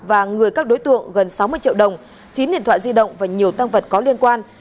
và người các đối tượng gần sáu mươi triệu đồng chín điện thoại di động và nhiều tăng vật có liên quan